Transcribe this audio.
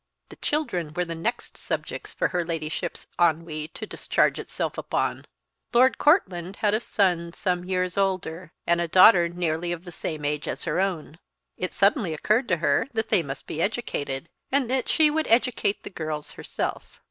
The children were the next subjects for her Ladyship's ennui to discharge itself upon. Lord Courtland had a son some years older, and a daughter nearly of the same age as her own. It suddenly occurred to her that they must be educated, and that she would educate the girls herself.